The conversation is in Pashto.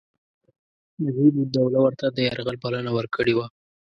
نجیب الدوله ورته د یرغل بلنه ورکړې وه.